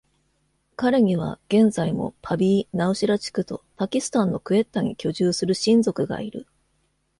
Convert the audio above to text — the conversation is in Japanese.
彼には、現在もパビー・ナウシェラ地区とパキスタンのクエッタに居住する親族がいる。